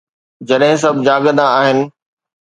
جڏهن سڀ جاڳندا آهن